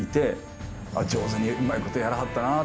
上手にうまいことやらはったなぁ。